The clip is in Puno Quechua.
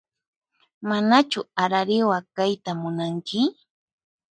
Manachu arariwa kayta munanki?